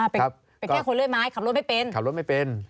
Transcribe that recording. เป็นแค่คนเรื่อยไม้ขับรถไม่เป็น